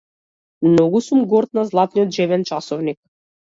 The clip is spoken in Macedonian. Многу сум горд на златниот џебен часовник.